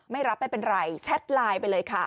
ไม่รับไม่เป็นไรแชทไลน์ไปเลยค่ะ